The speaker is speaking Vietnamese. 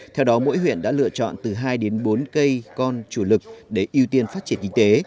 theo đó mỗi huyện đã lựa chọn từ hai đến bốn cây con chủ lực để ưu tiên phát triển kinh tế